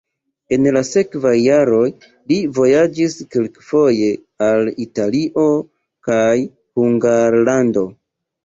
En la sekvaj jaroj li vojaĝis kelkfoje al Italio kaj Hungarlando.